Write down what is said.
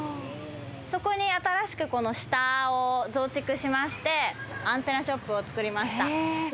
そこに新しくこの下を増築しましてアンテナショップを作りました。